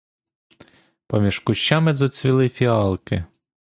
Поміж кущами зацвіли фіалки.